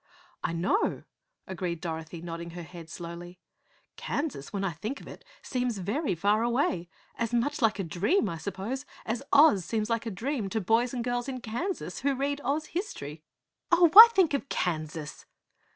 "I know," agreed Dorothy, nodding her head slowly. "Kansas, when I think of it, seems very far away as much like a dream, I suppose, as Oz seems like a dream to boys and girls in Kansas who read Oz history." "Oh, why think of Kansas?"